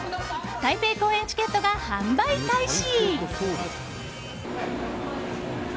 台北公演チケットが販売開始！